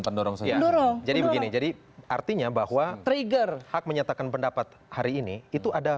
pendorong setia jadi begini jadi artinya bahwa trigger hak menyatakan pendapat hari ini itu ada